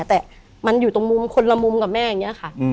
แต่มันอยู่ตรงมุมคนละมุมกับแม่อย่างนี้ค่ะ